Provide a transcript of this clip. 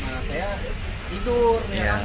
nah saya tidur ya kan